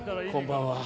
こんばんは。